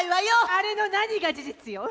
あれの何が事実よ！